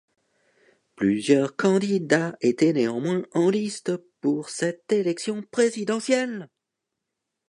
Plusieurs candidats étaient néanmoins en liste pour cette élection présidentielle.